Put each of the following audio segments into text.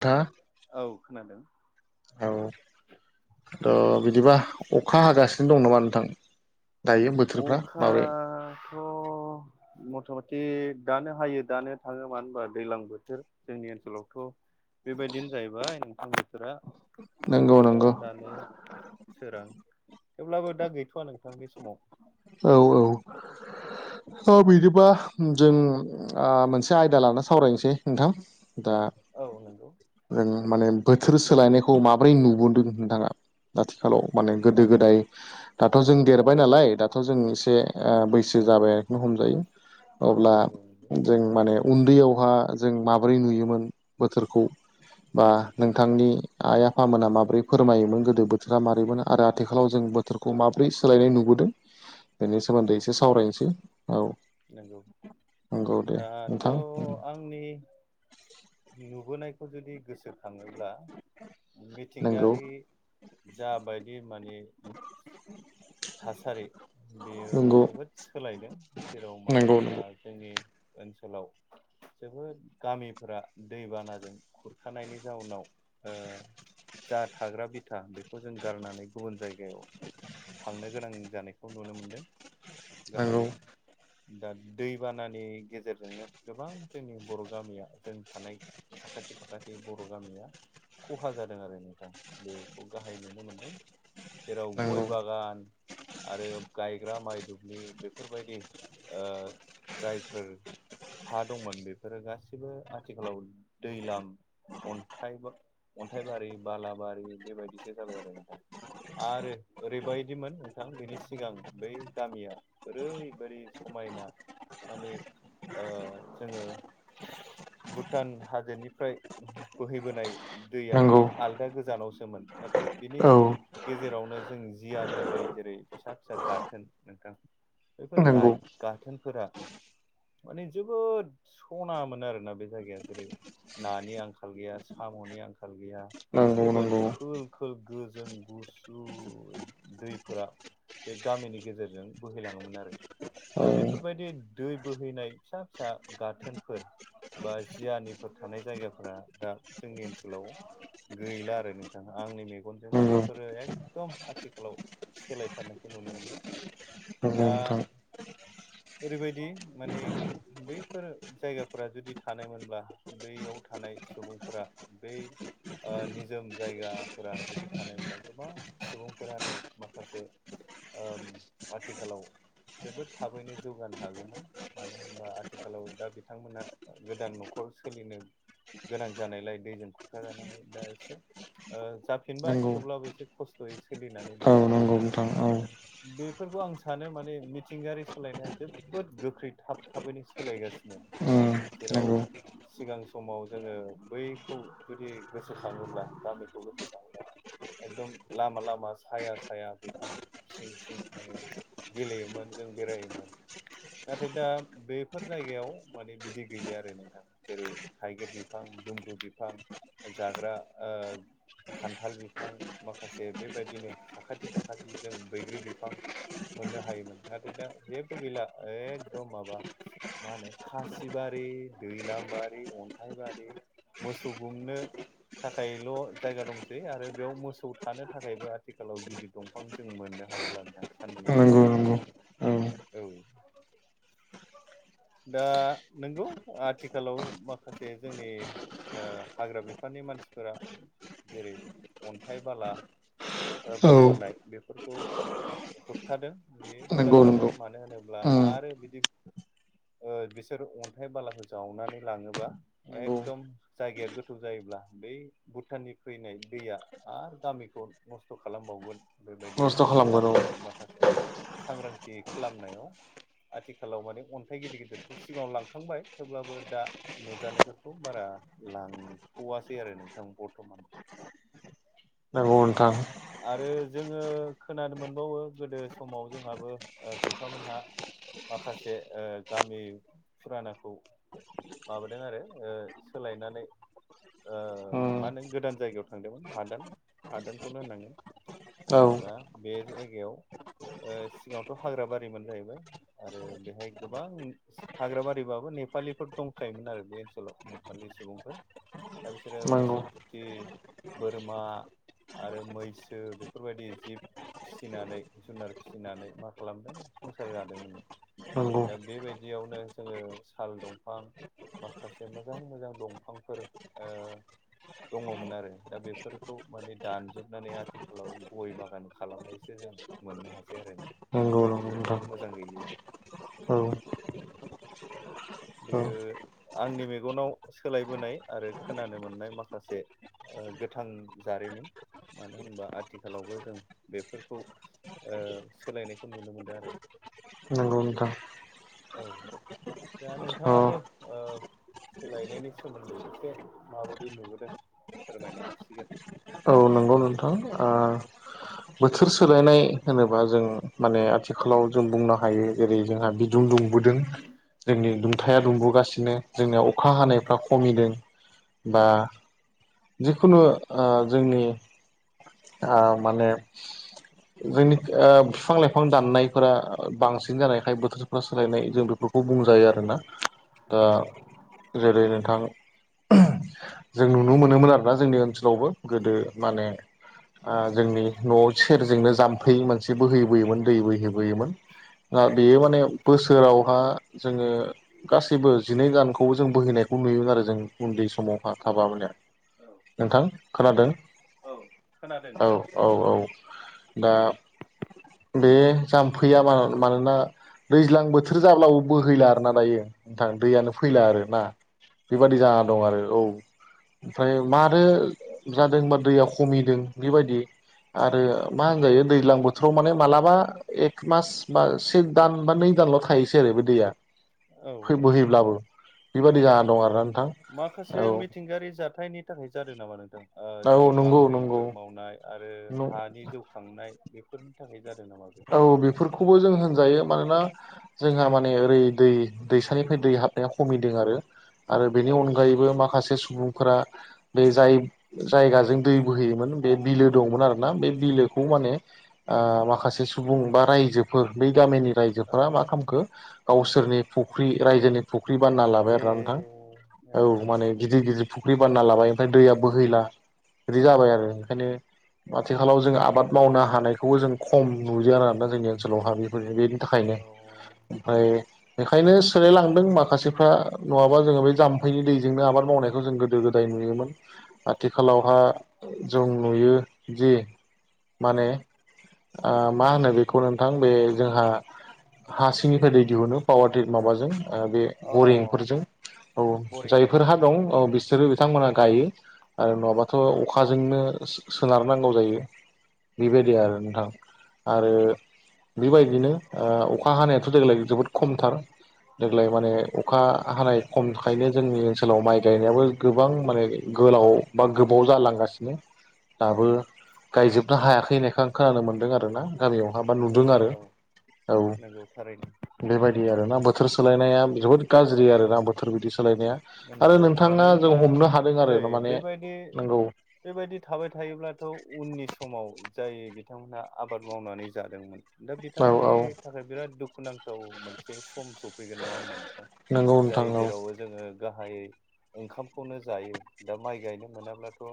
दा। औ खोनादों। औ थ' बिदिबा अखा हागासिनो दं नामा नोंथां। दायो बोथोरफ्रा माबोरै। थ'। जोंनि ओनसोलावथ' बेबायदिनो जाहैबाय नोंथां बोथोरा। नंगौ दानो अखा नंगौ दानो सोरां थेवब्लाबो दा गैथ'वा नोंथां बे समाव। औ औ। औ बिदिबा जों आ मोनसे आयदा लाना सावरायनोसै नोंथां। दा। औ नंगौ। जों माने बोथोर सोलायनायखौ माबोरै नुबोदों नोंथाङा। आथिखालाव माने गोदो गोदाय। दाथ' औ जों देरबाय नालाय दाथ' जों एसे ओ बैसो जाबाय आरोखनो हमजायो। अब्ला नंगौ नंगौ जों माने उन्दैयावहा जों माबोरै नुयोमोन बोथोरखौ। खौ बा नोंथांनि आइ आफा फामोना माबोरै फोरमायोमोन गोदो बोथोरा माबै मोन आरो आथिखालाव जों बोथोरखौ माबोरै सोलायनाय नुबोदों? बेनि औ सोमोन्दै एसे सावरायनोसै। औ। नंगौ नंगौ दे दाथ' नोंथां आंनि नुबोनायखौ जुदि गोसोखाङोब्ला नंगौ मिथिंगायारि जाबायदि माने थासारि बेयो नंगौ जोबोद सोलायदों। जेराव मानो नंगौ होनोबा जोंनि ओनसोलाव जोबोद गामिफोरा दैबानाजों खुरखानायनि जाउनाव ओ जा थाग्रा बिथा बेखौ जों गारनानै गुबुन जायगायाव थांनो गोनां जानायखौ नुनो मोनदों। नंगौ गाहायै दा दैबानानि गेजेरजोंनो गोबां जोंनि बर' गामिया जों थानाय साखाथि फाखाथि बर' गामिया खहा जादों आरो नोंथां। बेखौ गाहाय नुनो मोनदों। जेराव गय नंगौ गान आरो गायग्रा माइ दुब्लि बेफोरबायदि ओ जायफोर हा दंमोन बेफोरो गाैबो आथिखालाव दैलाम अन्थाइ अन्थाइबारि बालाबारि बेबायदिसो जाबाय आरो नोंथां। आरो ओरैबायदिमोन नोंथां बेनि सिगां बै गामिया ओरैबायादि समायना माने ओ जोङो भुटान हाजोनिफ्राय बोहैबोनाय दैया नंगौ माने आलदा गोजानावसोमोन। नाथाय बिनि औ गेजेरावनो जों जियानि दै जेरै फिसा-फिसा गाथोन नोंथां बैफोर नंगौ गाइ गाथोनफोरा माने जोबोद सना मोन आरोना बे जायगाया। जेरै नानि आंखाल गैया साम'नि आंखाल गैया नंगौ जोबोद नंगौ खोल-खोल गोजों गुसु दैफोरा बे गामिनि गेजेरजों बोहैलाङोमोन आरो। दा औ बेफोरबायदि दै बोहैनाय फिसा फिसा गाथोनफोर बा जियानिफोर थानाय जायगाफोरा दा जोंनि ओनसोलाव गैला आरो नोंथां। आंनि मेगनजोंनो नंगौ बेफोरो एकदम आथिखालाव सोलायथारनायखौ नुनो मोनदों। नंगौ दा नोंथां ओरैबायदि माने बैफोर जायगाफोरा जुदि थानायमोनब्ला बैयाव थानाय सुबुंफोरा बै ओ निजोम जायगाफोरा जुदि थानाय मोनब्ला गोबां सुबुं फोरानो माखासे ओ आथिखालाव जोबोद थाबैनो जौगानो हागौमोन। मानो होनबा आथिखालाव दा बिथांमोना गोदान न'खर सोलिनो गोनां जानायलाय दैजों खुरखा जानानै दा एसे ओ जाफिनबाय। नंगौ थेवब्लाबो एसे खस्थ'यै सोलिनानै औ दं आरो नंगौ नोंथां। [inaudible] बेफोरखौ आं सानो माने मिथिंगायारि सोलायनाया जोबोद गोख्रै थाब थाबैनो सोलायगासिनो। उम जेराव नंगौ सिगां समाव जोङो बैखौ जुदि गोसोखाङोब्ला [unintelligible] एदम लामा-लामा मा साया साया बिफां सिं सिं माने गेलेयोमोन जों बेरायोमोन। नाथाय दा बेफोर जायगायाव माने बिदि गैलिया आरो नोंथाङा। जेरै-थाइगिर बिफां दुमब्रु बिफां जाग्रा ओ खान्थाल बिफां माखासे बेबायदिनो साखाथि फाखाथिजों बैग्रि बिफां मोननो हायोमोन। नाथाय दा जेबो गैला। एखदम माबा मा होनो खासिबारि दैलामांबारि अन्थाइबारि मोसौ गुमनो थाखायल' जायगा दंसै। आरो बेयाव मोसौ थानो थाखाय बेहायबो आथिखालाव गिदिर दंफां जों मोननो हाबावलादां सान्दुं गोसयाव नंगौ थानो नंगौ औ। दा नंगौ आथिखालाव माखासे जोंनि हाग्रा बिफाननि मानसिफोरा जेरै अन्थाइ बाला औ बुरनाय बे खौ होबथादों बे मोजां नंगौ जादों नंगौ मानो होनोब्ला उम आरो बिदि बिसोरो अन्थाइ बालाखौ जावनानै लाङोबा नंगौ एकदम जायगाया गोथौ जायोब्ला बै भुटाननि फैनाय दैया आरो गामिखौ नस्थ' खालामबावगोन बेबायदि नस्थ' जोंनि खालामगोन औ गामिनिफ्राय माखासे सांग्रांथि खालामनायाव आथिखालाव माने अन्थाइ गिदिर गिदिरखौ सिगाङाव लांखांबाय थेवब्लाबो दा नुजानायफोरखौ बारा लांथ'वासै आरो नोंथां बर्थमान औ नोंथां आरो जोङो खोनानो मोनबावो गोदो समाव जोंहाबो बिफामोनहा माखासे गामि फुरानाखौ माबादों आरो सोलायनानै मा उम होनो गोदान जायगायाव थांदोंमोन हादान हादान बे खौनो होनांगोन मानो औ होनबा बे जायगायाव सिगाङथ' हाग्रा बारिमोन जाहैबाय आरो बेहाय गोबां हाग्र बारिबाबो नेपालिफोर दंखायोमोन आरो बे ओनसोलाव नेपालि सुबुंफोर दा बिसोरो नंगौ मोसौ खुथि बोरमा आरो मैसो बेफोरबायदि जिब फिसिनानै जुनार फिसिनानै मा खालामदों संसार जादोंमोन। नंगौ दा बेबायदियावनो जोङो साल दंफां माखासे मोजां मोजां दंफांफोर दङमोन आरो दा बेफोरखौ माने दानजोबनानै आथिखालाव गय बागान खालामनायसो जों मोननो हासै आरो ना नंगौ नंगौ बेफोरबायदि नोंथां दंफां मोजां गैलिया। औ औ बेयो आंनि मेगनाव सोलायबोनाय आरो खोनानो मोननाय माखासे गोथां जारिमिन मानो होनबा आथिखालावबो जों बेफोरखौ सोलायनायखौ नुनो मोनदों आरो दं थां। औ दा नोंथाङाबो सोलायनायनि सोमोन्दै एसे माबायदि नुबोदों फोरमायनो हासिगोन। औ नंगौ नोंथां बोथोर सोलायनाय होनोबा जों माने आथिखालाव जों बुंनो हायो जेरै जोंहा बिदुं दुं दुंबोदों जोंनि दुंथाया दुमबोगासिनो जोंनिया अखा हानायफ्रा खमिदों बा जिखुनु जोंनि आ माने [inaudible] जोंनि बिफां लाइफां दाननायफोरा बांसिन जानायखाय बोथोरफोरा सोलायनाय जों बेफोरखौ खौ बुंजायो आरोना दा जेरै नोंथां। जों नुनो मोनोमोन आरोना जोंनि ओनसोलावबो गोदो माने जोंनि न'आव सेरजोंनो जाम्फै मोनसे बोहैबोयोमोन दै बोहैबोयोमोन। दा बेयो माने बोसोरावहा जोङो गासैबो जिनै गानखौबो जों बोहैनायखौ नुयोमोन आरो जों उन्दै समावहा थाब मानया औ नोंथां खोनादों औ खोनादों नोंथां औ। औ औ दा बे जाम्फैया मा मानोना दैज्लां बोथोर जाब्लाबो बोहैला आरोना दायो नोंथां दैयानो ए फैला आरो ना औ बेबादि औ जाना दं आरो औ ओमफ्राय मारो जादों होनबा दैया खमिदों बेबायदि आरो मा होनजायो नंगौ दैजां बो थोराव माने मालाबा एक मास बा से दान बा नै दानल' थाहैसै आरो बे दैया औ फै औ बोहैब्लाबो बेबादि जाना दं आरोना नोंथां। माखासे मिथिंगायारि जाथायनि थाखाय जादो नामा नोंथां। ओ औ औ जेरै नंगौ नंगौ बांग्रिंफोर मावनाय आरो हानि जौ खांनाय बेफोर नि थाखाय जादों नामा बेफोर जाथाया। खौबो जों होनजायो मानोना जोंहा माने ओरै दै दैसानिफ्राय दै हाबनाया खमिदों आरो। आरो बेनि औ अनगायैबो माखासे सुबुंफोरा बे जाय जायगाजों दै बोहैयोमोन बे बिलो दंमोन आरोना बे बिलोखौ माने ओ माखासे सु सुबुं बा रायजोफोर बै गामिनि औ रायजोफोरा मा खालामखो गावसोरनि फुख्रि रायजोनि फुख्रि बानायना लाबाय ए आरो ना नोंथां औ माने गिदिर-गिदिर फुख्रि बानायना लाबाय ओमफ्राय दैया बोहैला बिदि जाबाय औ आरो ओंखायनो आथिखालाव जों आबाद मावनो हानायखौबो जों खम नुयो आरोना जोंनि ओनसोलाव हा बेफोरनो थाखायनो औ ओमफ्राय बेखायनो सोलायलांदों बेथ' माखासे थोरा नङाबा जोंङो बै जाम्फैनि दैजोंनो आबाद मावनाय बेखौ जों गोदो गोदाय नुयोमोन आथिखालावहा नंगौ जों नुयो जे माने ओ मा होनो बेखौ नोंथां बे जोंहा हा सिंनिफ्राय दै दिहुनो पावार माबाजों बे अ बरिंफोरजों औ बरिं नंगौ जायफोरहा दं औ बिसोरो बिथांमोनहा गायो। आरो नङाबाथ' अखाजोंनो सोनार नांगौ जायो बेबायदि आरो नोंथां। आरो बेबायदिनो ओ अखा हानायाथ' देग्लाय जोबोद खमथार देग्लाय माने अखा हानाय खमखायनो जोंनि ओन सोलाव माइ गायनायाबो गोबां माने गोलाव बा गोबाव जालांगासिनो। दाबो गायजोबनो हायाखै होननायखो आं खोनानो मोनदों आरोना। गामियाव हा बा औ नुदों आरो औ नंगौ थारैनो औ। बेबायदि आरोना बोथोर सोलायनाया जोबोद गाज्रि आरोना बोथोर बिदि सोलायनाया ओं आरो नोंगौ नोंथाङा मानो जों होनब्ला हमनो हादों आरो नै ना माने बेबायदि नंगौ बेबायदि थाबाय थायोब्लाथ' उननि समाव जाय बिथांमोनहा आबाद मावनानै जादोंमोन दा औ बिथांमोननि औ थाखाय बिराद दुखुनांथाव मोनसे सम स फैगोन नङा होमबा नोंथां नंगौ नोंथां जाय औ जेरावबो जोंङो गाहायै ओंखामखौनो जायो दा माइ गायनो मोनाब्लाथ'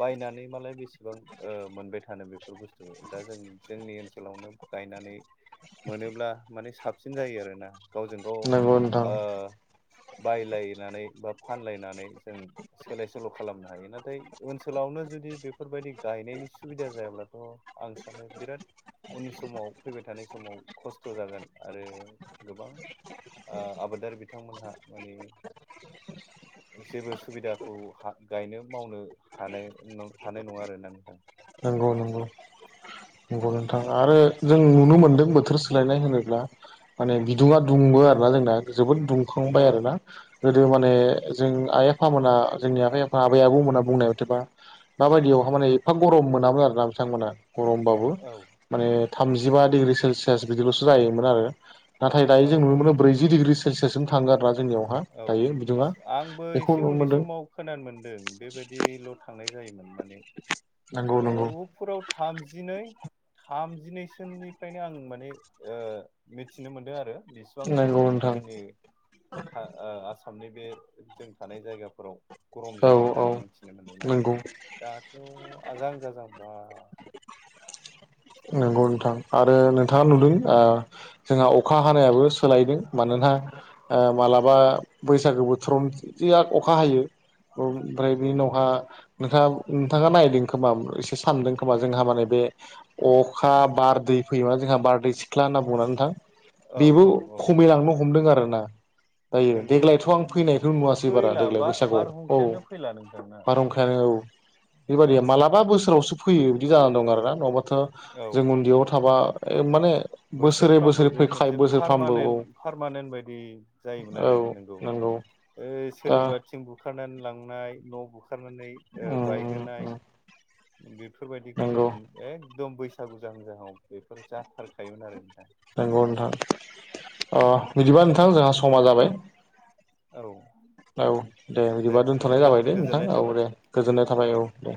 बायनानै मालाय बेसेबां ओ मोनबाय थानो बेफोर बुस्थु दा जों जोंनि ओनसोलावनो गायनानै मोनोब्ला माने साबसिन जायो आरोना गावजों गाव नंगौ नोंथां ओ बायलायनानै बा फानलायनानै जों सोलाय सोल' खालामनो हायो नाथाय ओनसोलावनो जुदि बेफोरबायदि गायनायनि सुबिदा जायाब्लाथ' आं सानो बिराद उननि समाव फैबाय थानाय समाव खस्थ' जागोन आरो गोबां ओ आबादारि बिथांमोनहा माने जेबो सुबिदाखौ हा गायनो मावनो हानाय हानाय नङा आरो ना नोंथां। नंगौ नंगौ नोंगौ नोथां आरो जों नुनो मोन्दों बोथोर सोलायनाय होनोब्ला माने बिदुङा दुंबो आरो ना जोंना जोबोद औ दुंखांबाय आरोना। गोदो माने जों आइ आफामोना जोंनि आय आफा आबै आबौमोना बुंनाय मथेबा माबायदियावहा माने एफा गरम मोनामोन आरो ना बिथांमोना गरमबाबो औ माने थामजिबा डिग्रि सेलसियास बिदिल'सो जायोमोन आरो नाथाय दायो औ जों ननो औ मोनो औ ब्रैजि डिग्रि सेल्यासजों थांगोन आरो नों जोंनियावहा औ दायो बिदुङा आंबो बेखौ एसे नुनो उन्दै मोन्दों समाव खोनानो मोन्दों बेबायदिल' थांनाय जायोमोन माने नंगौ नंगौ फोराव थामजिनै थामजिनै सोनिफ्रायनो आं माने ओ मिथिनो मोनदों आरो बिस बेसेबांसेल' नंगौ नोंथां जोंनि आसामनि बे जों थानाय जायगाफोराव गरम औ जायो औ होननानै मिथिनो मोन्दोंमोन नंगौ आरो दाथ' आजां गाजांबा नंगौ नोंथां आरो नोंथाङा नुदों जोंहा अखा हानायाबो सोलायदों मानोना ओ मालाबा बैसागो बोथोराव जिया अखा हायो ओमफ्राय बि नंगौ नंगौ उनावहा नोंथाङा नोंथाङा नायदों खोमा एसे सानदों खोमा जोंहा माने बे अखा बारदै फैयोमा जोंहा बारदै सिख्ला होनना बुंङोना नोंथां औ औ बेबो औ खम फैलांनो हमदों आरो ना जायो नंगौ देग्लायथ' आं फैनायखौ नुवासै बारा फैला देग्लाय बा बैसागआव औ बारहुंखायानो फैला नोंथांना बारहुंखायानो औ औ बेबायदि मालाबा बोसोरावसो फैयो बिदि जानानै दं आरोना नङाबाथ' औ जों उन्दैयाव थाबा माने बोसोरै बोसोरफ्रामबो बोसोरै बे फैखायो मोनसे बोसोरफ्रामबो औ पारमानेन्ट पारमानेन्ट बायदि जायोमोन आरो औ नोंगौ नंगौ ओ दा सोरनिबा थिं बुखारनानै लांनाय न' बुखारनानै उम बायहोनाय उम बेफोरबायदिखौ जों नंगौ एकदम बैसागु जाहां जाहाङाव बेफोर जाथारखायोमोन आरो नोंथां नंगौ नोंथां बिदिबा नोंथां जोंहा समा जाबाय औ औ दे बिदिबा दोन्थ'नाय बिदिब्ला जाबाय दे नोंथां गोजोननाय औ थाबाय दे गोजोननाय थाबाय औ दे